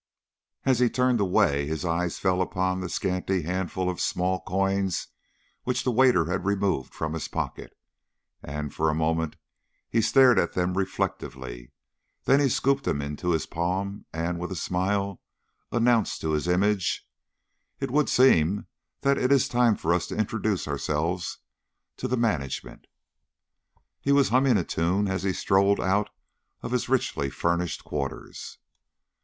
As he turned away, his eyes fell upon the scanty handful of small coins which the waiter had removed from his pocket and for a moment he stared at them reflectively, then he scooped them into his palm and, with a smile, announced to his image: "It would seem that it is time for us to introduce ourselves to the management." He was humming a tune as he strode out of his richly furnished quarters.